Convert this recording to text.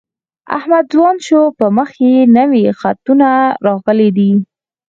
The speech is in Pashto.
احمد ځوان شو په مخ یې نوي خطونه راغلي دي.